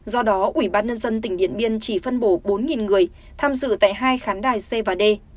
do đó ủy ban nhân dân tỉnh điện biên chỉ phân bổ bốn người tham dự tại hai khán đài c và d